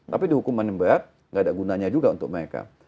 tapi di hukuman yang berat nggak ada gunanya juga untuk mereka